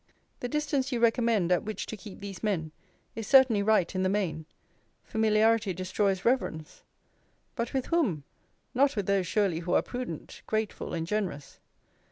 The distance you recommend at which to keep these men, is certainly right in the main: familiarity destroys reverence: But with whom? Not with those, surely, who are prudent, grateful, and generous.